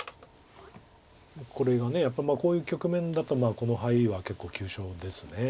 これがやっぱこういう局面だとこのハイは結構急所です。